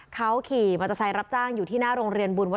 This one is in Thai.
เขาขี่มาตะไซรับจ้างอยู่ที่หน้าโรงเรียนบุญวัฒนา